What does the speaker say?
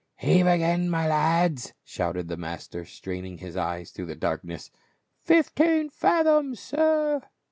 " Heave again, my lads !" shouted the master, straining his eyes through the darkness. " Fifteen fathoms, sir."